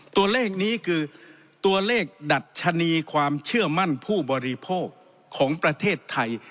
ตัวเลขนี้คือตัวเลขดัชนีความเชื่อมั่นผู้บริโภคของประเทศไทย